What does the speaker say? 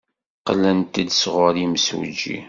Qqlent-d sɣur yimsujji.